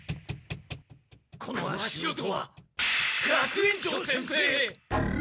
この足音は学園長先生！